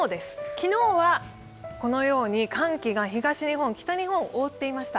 昨日はこのように寒気が東日本、北日本を覆っていました。